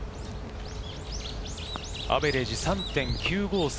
アベレージ３．９５３。